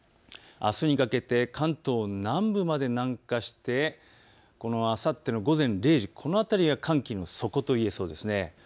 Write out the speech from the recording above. あすにかけて関東南部まで南下してあさっての午前０時、この辺りが寒気の底といえそうですね。